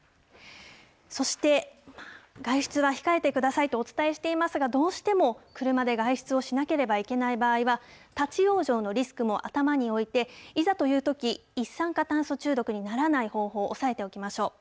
そして、外出は控えてくださいとお伝えしていますが、どうしても車で外出をしなければいけない場合は、立往生のリスクも頭に置いて、いざというとき、一酸化炭素中毒にならない方法、押さえておきましょう。